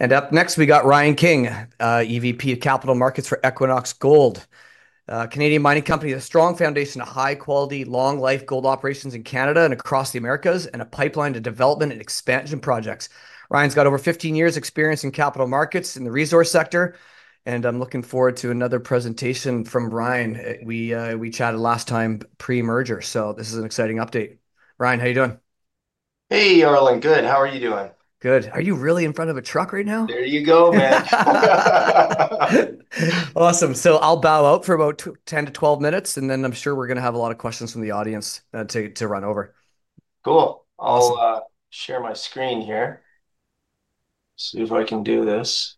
Up next, we have Ryan King, EVP of Capital Markets for Equinox Gold. Canadian mining company has a strong foundation of high-quality, long-life gold operations in Canada and across the Americas, and a pipeline to development and expansion projects. Ryan's got over 15 years of experience in capital markets and the resource sector, and I'm looking forward to another presentation from Ryan. We chatted last time pre-merger, so this is an exciting update. Ryan, how are you doing? Hey, Arlene, good. How are you doing? Good. Are you really in front of a truck right now? There you go, man. Awesome. I'll bow out for about 10-12 minutes, and then I'm sure we're going to have a lot of questions from the audience to run over. Cool. I'll share my screen here. See if I can do this.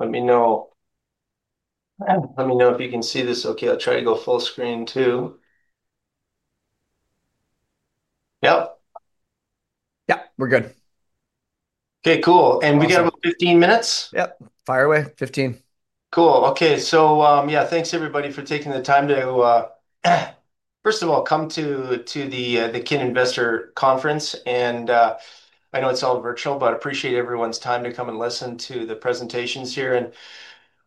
Let me know if you can see this okay. I'll try to go full screen too. Yep. Yep, we're good. Okay, cool. We got about 15 minutes? Yep, fire away. 15 minutes. Cool. Okay, so, yeah, thanks everybody for taking the time to, first of all, come to the Kinvestor Conference. I know it's all virtual, but I appreciate everyone's time to come and listen to the presentations here.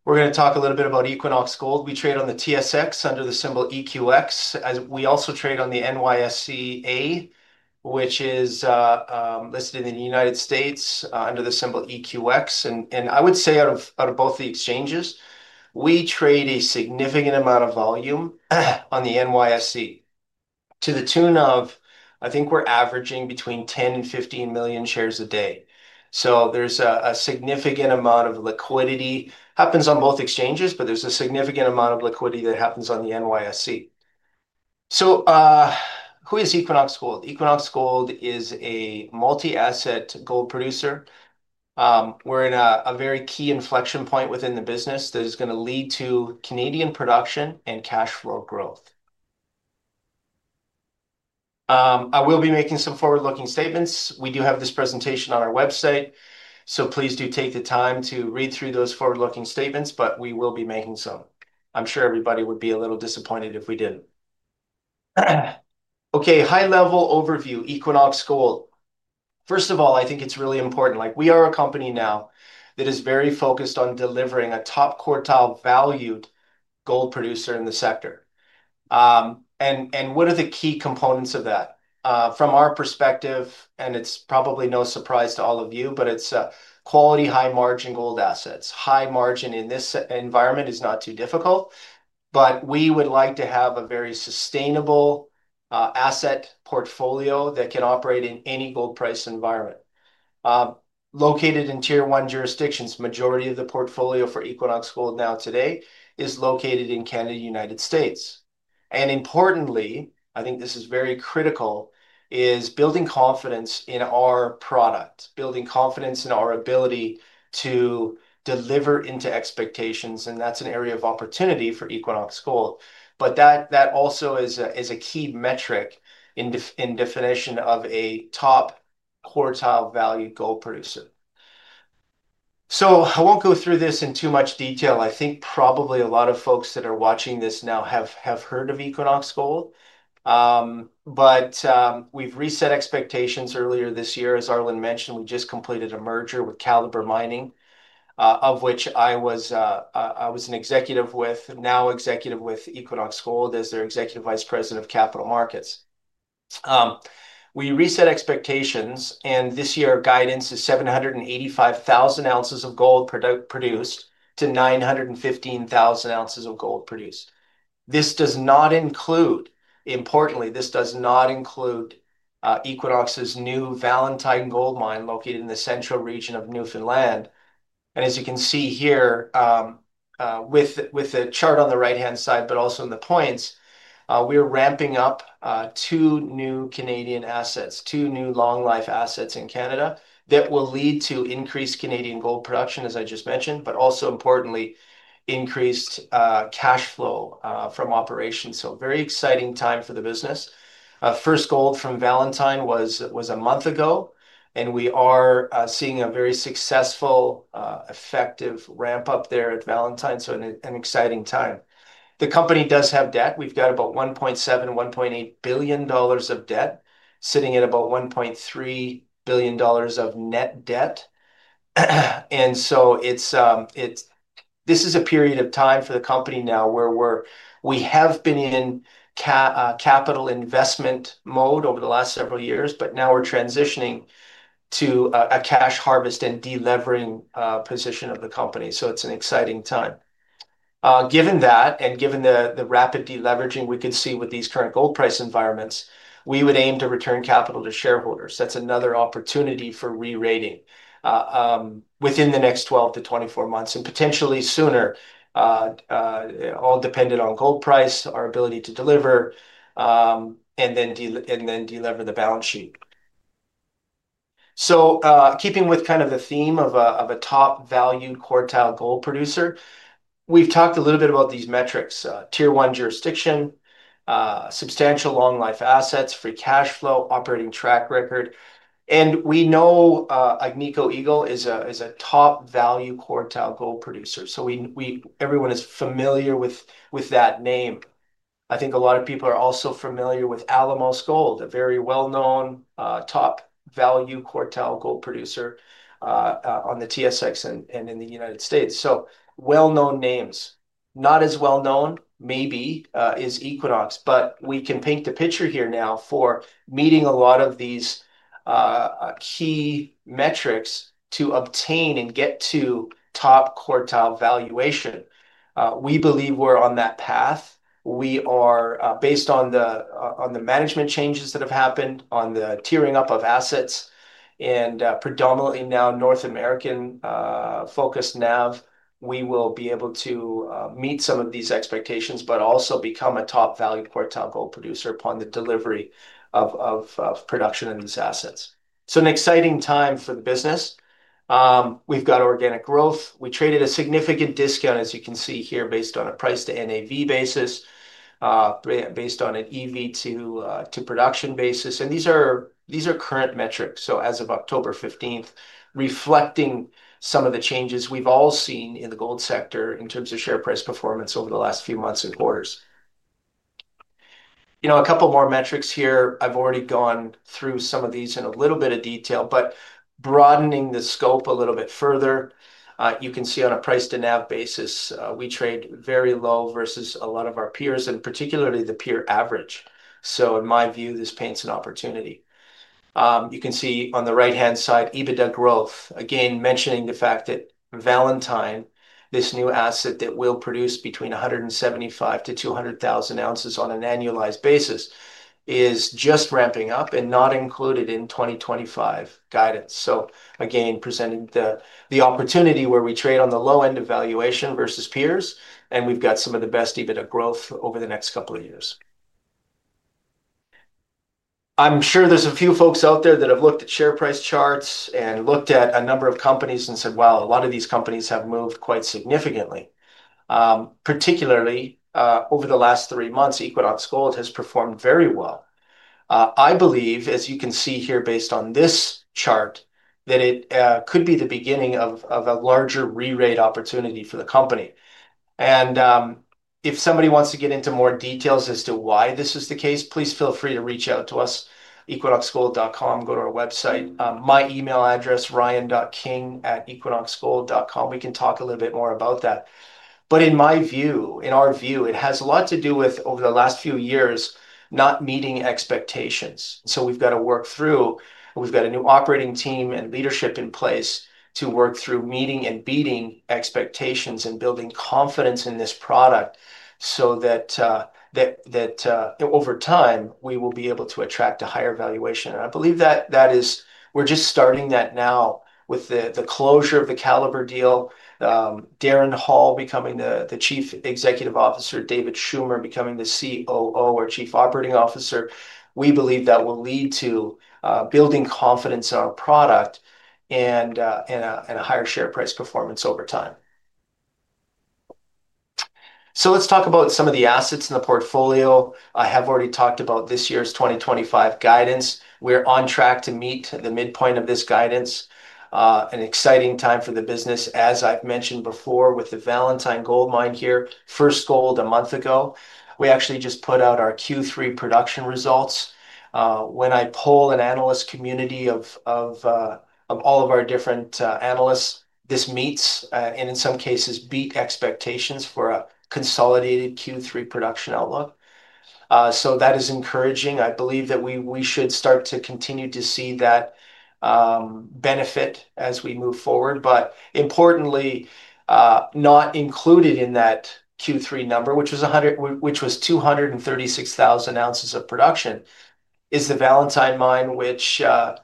We're going to talk a little bit about Equinox Gold. We trade on the TSX under the symbol EQX. We also trade on the NYSE, which is listed in the United States, under the symbol EQX. I would say out of both the exchanges, we trade a significant amount of volume on the NYSE to the tune of, I think we're averaging between 10 million and 15 million shares a day. There's a significant amount of liquidity. It happens on both exchanges, but there's a significant amount of liquidity that happens on the NYSE. Who is Equinox Gold? Equinox Gold is a multi-asset gold producer. We're in a very key inflection point within the business that is going to lead to Canadian production and cash flow growth. I will be making some forward-looking statements. We do have this presentation on our website, so please do take the time to read through those forward-looking statements, but we will be making some. I'm sure everybody would be a little disappointed if we didn't. Okay, high-level overview, Equinox Gold. First of all, I think it's really important. We are a company now that is very focused on delivering a top quartile valued gold producer in the sector. What are the key components of that? From our perspective, and it's probably no surprise to all of you, but it's quality high-margin gold assets. High margin in this environment is not too difficult, but we would like to have a very sustainable asset portfolio that can operate in any gold price environment, located in Tier 1 jurisdictions. The majority of the portfolio for Equinox Gold now today is located in Canada, United States. Importantly, I think this is very critical, is building confidence in our product, building confidence in our ability to deliver into expectations, and that's an area of opportunity for Equinox Gold. That also is a key metric in the definition of a top quartile valued gold producer. I won't go through this in too much detail. I think probably a lot of folks that are watching this now have heard of Equinox Gold, but we've reset expectations earlier this year. As Arlene mentioned, we just completed a merger with Calibre Mining, of which I was an executive with, now executive with Equinox Gold as their Executive Vice President of Capital Markets. We reset expectations, and this year our guidance is 785,000 ounces of gold produced to 915,000 ounces of gold produced. This does not include, importantly, this does not include Equinox Gold's new Valentine Gold Mine located in the central region of Newfoundland. As you can see here, with the chart on the right-hand side, but also in the points, we're ramping up two new Canadian assets, two new long-life assets in Canada that will lead to increased Canadian gold production, as I just mentioned, but also importantly, increased cash flow from operations. Very exciting time for the business. First gold from Valentine was a month ago, and we are seeing a very successful, effective ramp-up there at Valentine, so an exciting time. The company does have debt. We've got about $1.7 billion-$1.8 billion of debt, sitting at about $1.3 billion of net debt. This is a period of time for the company now where we have been in capital investment mode over the last several years, but now we're transitioning to a cash harvest and deleveraging position of the company. It's an exciting time. Given that and given the rapid deleveraging we could see with these current gold price environments, we would aim to return capital to shareholders. That's another opportunity for rerating within the next 12-24 months and potentially sooner, all dependent on gold price, our ability to deliver, and then deliver the balance sheet. Keeping with kind of the theme of a top quartile gold producer, we've talked a little bit about these metrics: Tier 1 jurisdiction, substantial long-life assets, free cash flow, operating track record. We know Agnico Eagle is a top quartile gold producer. Everyone is familiar with that name. I think a lot of people are also familiar with Alamos Gold, a very well-known top quartile gold producer on the TSX and in the United States. Well-known names. Not as well-known, maybe, is Equinox, but we can paint the picture here now for meeting a lot of these key metrics to obtain and get to top quartile valuation. We believe we're on that path. We are, based on the management changes that have happened, on the tiering up of assets, and predominantly now North American focused NAV, we will be able to meet some of these expectations, but also become a top value quartile gold producer upon the delivery of production in these assets. An exciting time for the business. We've got organic growth. We traded at a significant discount, as you can see here, based on a price-to-NAV basis, based on an EV to production basis. These are current metrics. As of October 15th, reflecting some of the changes we've all seen in the gold sector in terms of share price performance over the last few months and quarters. A couple more metrics here. I've already gone through some of these in a little bit of detail, but broadening the scope a little bit further, you can see on a price-to-NAV basis, we trade very low versus a lot of our peers and particularly the peer average. In my view, this paints an opportunity. You can see on the right-hand side, EBITDA growth, again mentioning the fact that Valentine, this new asset that will produce between 175,000 ounces-200,000 ounces on an annualized basis, is just ramping up and not included in 2025 guidance. Again, presenting the opportunity where we trade on the low end of valuation versus peers, and we've got some of the best EBITDA growth over the next couple of years. I'm sure there's a few folks out there that have looked at share price charts and looked at a number of companies and said, wow, a lot of these companies have moved quite significantly. Particularly, over the last three months, Equinox Gold has performed very well. I believe, as you can see here based on this chart, that it could be the beginning of a larger rerate opportunity for the company. If somebody wants to get into more details as to why this is the case, please feel free to reach out to us, equinoxgold.com, go to our website. My email address, ryan.king@equinoxgold.com, we can talk a little bit more about that. In my view, in our view, it has a lot to do with over the last few years not meeting expectations. We've got to work through, we've got a new operating team and leadership in place to work through meeting and beating expectations and building confidence in this product so that, over time, we will be able to attract a higher valuation. I believe that that is, we're just starting that now with the closure of the Calibre deal, Darren Hall becoming the Chief Executive Officer, David Schummer becoming the COO or Chief Operating Officer. We believe that will lead to building confidence in our product and a higher share price performance over time. Let's talk about some of the assets in the portfolio. I have already talked about this year's 2025 guidance. We're on track to meet the midpoint of this guidance. An exciting time for the business. As I've mentioned before, with the Valentine Gold Mine here, first gold a month ago, we actually just put out our Q3 production results. When I poll an analyst community of all of our different analysts, this meets, and in some cases beats, expectations for a consolidated Q3 production outlook. That is encouraging. I believe that we should start to continue to see that benefit as we move forward. Importantly, not included in that Q3 number, which was 236,000 ounces of production, is the Valentine Mine, which,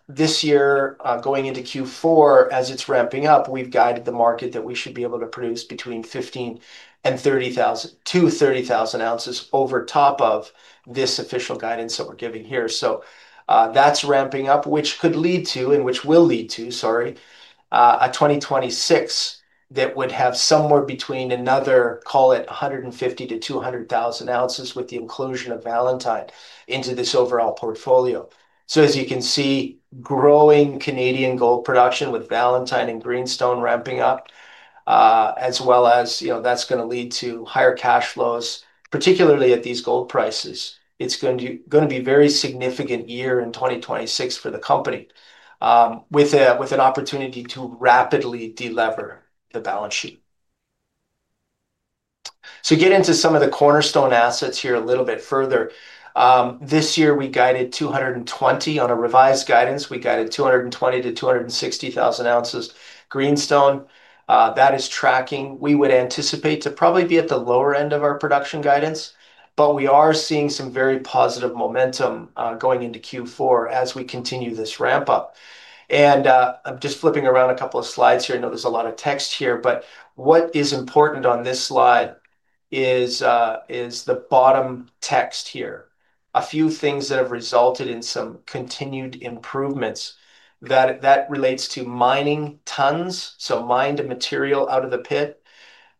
this year, going into Q4, as it's ramping up, we've guided the market that we should be able to produce between 15,000 ounces-30,000 ounces over top of this official guidance that we're giving here. That's ramping up, which will lead to a 2026 that would have somewhere between another, call it, 150,000 ounces-200,000 ounces with the inclusion of Valentine into this overall portfolio. As you can see, growing Canadian gold production with Valentine and Greenstone ramping up, as well as, you know, that's going to lead to higher cash flows, particularly at these gold prices. It's going to be a very significant year in 2026 for the company, with an opportunity to rapidly delever the balance sheet. Getting into some of the cornerstone assets here a little bit further, this year we guided 220,000 ounces on a revised guidance. We guided 220,000 ounces-260,000 ounces Greenstone. That is tracking. We would anticipate to probably be at the lower end of our production guidance, but we are seeing some very positive momentum going into Q4 as we continue this ramp-up. I'm just flipping around a couple of slides here. I know there's a lot of text here, but what is important on this slide is the bottom text here. A few things that have resulted in some continued improvements that relates to mining tons, so mined material out of the pit,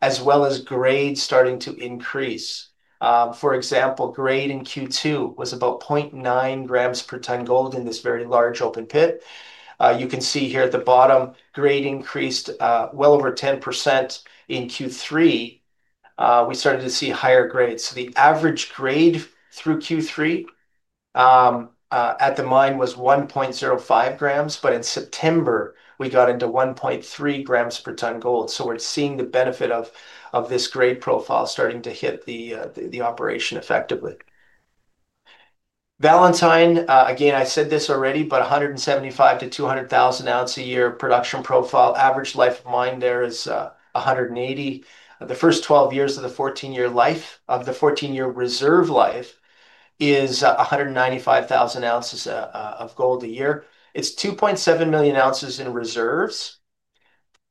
as well as grades starting to increase. For example, grade in Q2 was about 0.9 g/t gold in this very large open pit. You can see here at the bottom, grade increased, well over 10% in Q3. We started to see higher grades. The average grade through Q3 at the mine was 1.05 g/t, but in September, we got into 1.3 g/t gold. We're seeing the benefit of this grade profile starting to hit the operation effectively. Valentine, again, I said this already, but 175,000 ounce-200,000 ounce a year production profile, average life of mine there is 180,000 ounce. The first 12 years of the 14-year life, of the 14-year reserve life, is 195,000 ounces of gold a year. It's 2.7 million ounces in reserves,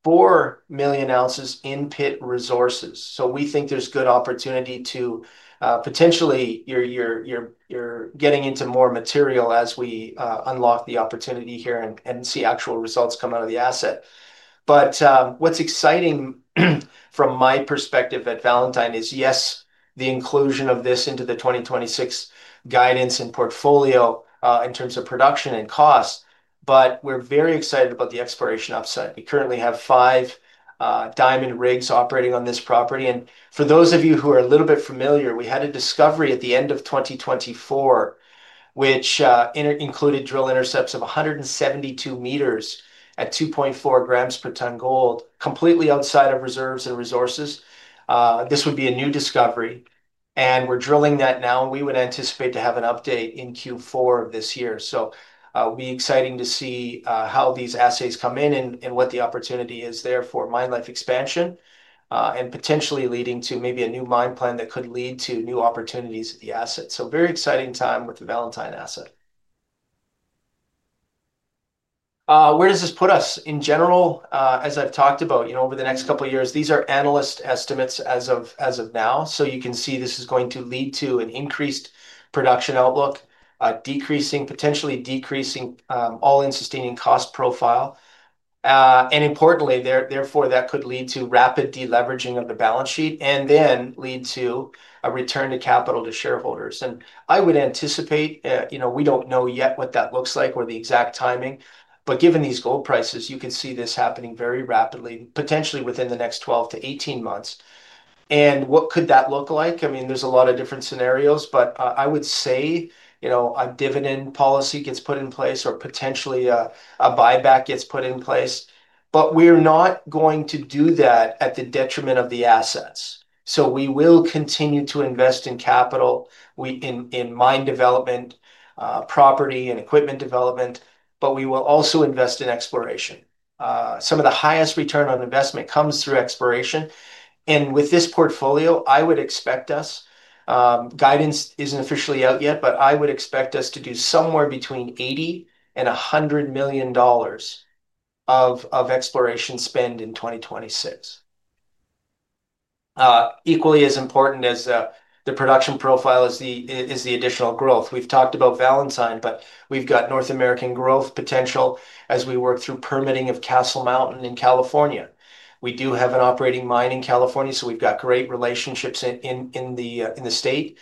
4 million ounces in pit resources. We think there's good opportunity to potentially get into more material as we unlock the opportunity here and see actual results come out of the asset. What's exciting from my perspective at Valentine is, yes, the inclusion of this into the 2026 guidance and portfolio in terms of production and cost, but we're very excited about the exploration upside. We currently have five diamond rigs operating on this property. For those of you who are a little bit familiar, we had a discovery at the end of 2024, which included drill intercepts of 172 m at 2.4 g/t gold, completely outside of reserves and resources. This would be a new discovery. We're drilling that now, and we would anticipate to have an update in Q4 of this year. It'll be exciting to see how these assets come in and what the opportunity is there for mine life expansion, and potentially leading to maybe a new mine plan that could lead to new opportunities at the asset. Very exciting time with the Valentine asset. Where does this put us in general? As I've talked about, over the next couple of years, these are analyst estimates as of now. You can see this is going to lead to an increased production outlook, potentially decreasing all-in sustaining cost profile. Importantly, that could lead to rapid deleveraging of the balance sheet and then lead to a return to capital to shareholders. I would anticipate, we don't know yet what that looks like or the exact timing, but given these gold prices, you could see this happening very rapidly, potentially within the next 12-18 months. What could that look like? I mean, there's a lot of different scenarios, but I would say, you know, a dividend policy gets put in place or potentially a buyback gets put in place. We're not going to do that at the detriment of the assets. We will continue to invest in capital, in mine development, property and equipment development, but we will also invest in exploration. Some of the highest return on investment comes through exploration. With this portfolio, I would expect us, guidance isn't officially out yet, but I would expect us to do somewhere between $80 million and $100 million of exploration spend in 2026. Equally as important as the production profile is the additional growth. We've talked about Valentine, but we've got North American growth potential as we work through permitting of Castle Mountain in California. We do have an operating mine in California, so we've got great relationships in the state.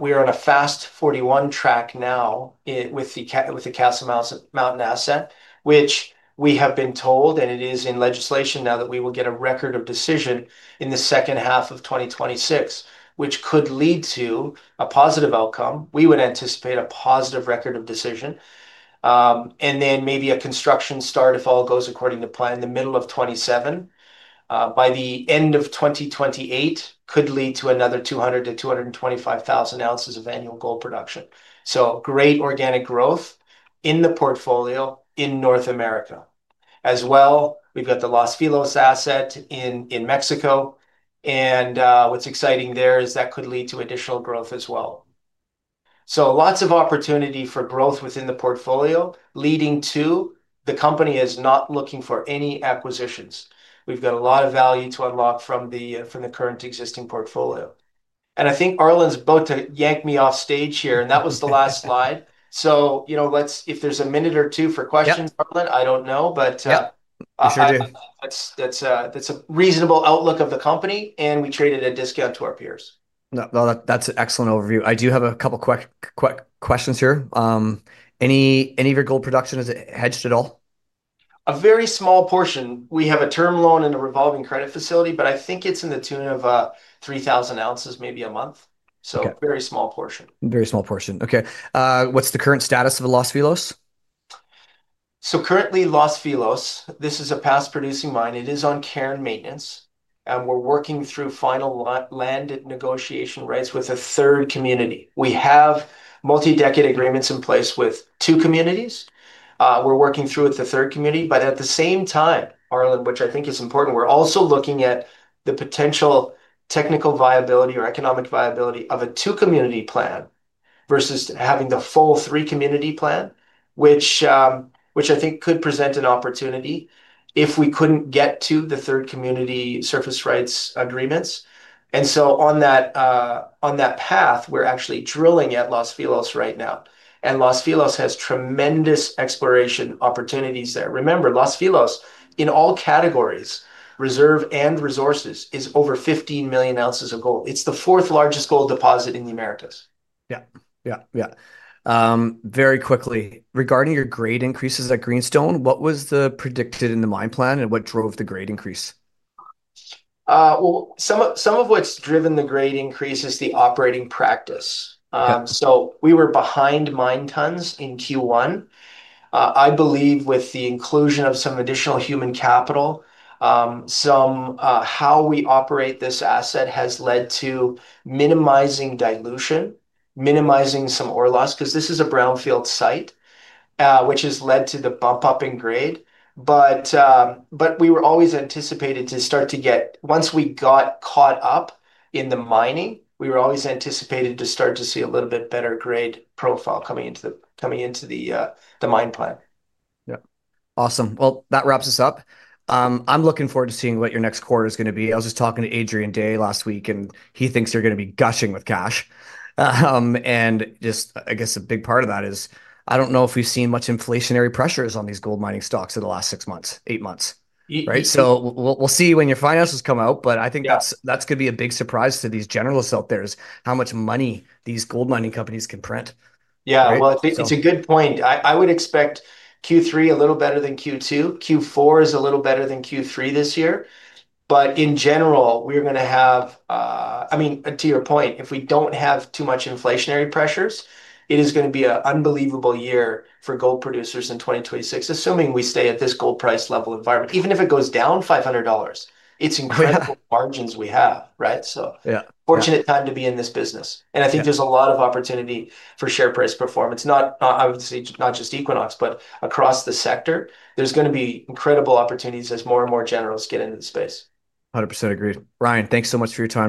We are on a fast 41 track now with the Castle Mountain asset, which we have been told, and it is in legislation now, that we will get a record of decision in the second half of 2026, which could lead to a positive outcome. We would anticipate a positive record of decision, and then maybe a construction start if all goes according to plan in the middle of 2027. By the end of 2028, could lead to another 200,000 ounces-225,000 ounces of annual gold production. Great organic growth in the portfolio in North America. As well, we've got the Los Filos asset in Mexico, and what's exciting there is that could lead to additional growth as well. Lots of opportunity for growth within the portfolio, leading to the company is not looking for any acquisitions. We've got a lot of value to unlock from the current existing portfolio. I think Arlene's about to yank me off stage here, and that was the last slide. If there's a minute or two for questions, Arlene, I don't know, but, yeah, I'm sure that's a reasonable outlook of the company, and we trade at a discount to our peers. No, that's an excellent overview. I do have a couple quick questions here. Any of your gold production is hedged at all? A very small portion. We have a term loan and a revolving credit facility, but I think it's in the tune of 3,000 ounces, maybe a month. A very small portion. Very small portion. Okay, what's the current status of the Los Filos? Currently, Los Filos is a past-producing mine. It is on care and maintenance, and we're working through final land negotiation rights with a third community. We have multi-decade agreements in place with two communities. We're working through with the third community, but at the same time, Arlene, which I think is important, we're also looking at the potential technical viability or economic viability of a two-community plan versus having the full three-community plan, which I think could present an opportunity if we couldn't get to the third community surface rights agreements. On that path, we're actually drilling at Los Filos right now. Los Filos has tremendous exploration opportunities there. Remember, Los Filos, in all categories, reserve and resources, is over 15 million ounces of gold. It's the fourth largest gold deposit in the Americas. Very quickly, regarding your grade increases at Greenstone, what was the predicted in the mine plan and what drove the grade increase? Some of what's driven the grade increase is the operating practice. We were behind mine tons in Q1. I believe with the inclusion of some additional human capital, how we operate this asset has led to minimizing dilution, minimizing some ore loss, because this is a brownfield site, which has led to the bump up in grade. We were always anticipated to start to get, once we got caught up in the mining, we were always anticipated to start to see a little bit better grade profile coming into the mine plan. Yeah, awesome. That wraps us up. I'm looking forward to seeing what your next quarter is going to be. I was just talking to Adrian Day last week, and he thinks they're going to be gushing with cash. I guess a big part of that is I don't know if we've seen much inflationary pressures on these gold mining stocks in the last six months, eight months. Right. We'll see when your financials come out, but I think that's going to be a big surprise to these generalists out there is how much money these gold mining companies can print. Yeah, it's a good point. I would expect Q3 a little better than Q2. Q4 is a little better than Q3 this year. In general, we're going to have, I mean, to your point, if we don't have too much inflationary pressures, it is going to be an unbelievable year for gold producers in 2026, assuming we stay at this gold price level environment. Even if it goes down $500, it's incredible margins we have, right? Yeah, fortunate time to be in this business. I think there's a lot of opportunity for share price performance, not obviously not just Equinox, but across the sector. There's going to be incredible opportunities as more and more generals get into the space. 100% agreed. Ryan, thanks so much for your time.